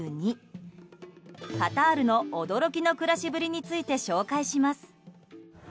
カタールの驚きの暮らしぶりについて紹介します。